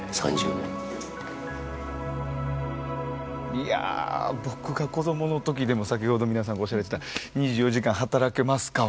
いや僕が子どもの時でも先ほど皆さんがおっしゃられてた２４時間働けますかは。